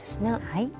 はい。